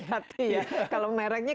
kalau merknya kalau bisa didaftarkan